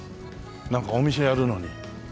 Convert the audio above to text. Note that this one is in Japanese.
なんかお店やるのに。